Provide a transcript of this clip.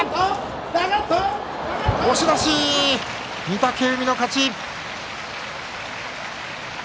御嶽海の勝ち。